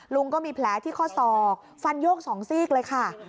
ลุงก็มีแผลที่ข้อศอกฟันโยก๒ซีกเลยค่ะ